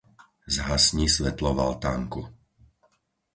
Zhasni svetlo v altánku.